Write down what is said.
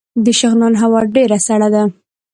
د شغنان هوا ډیره سړه ده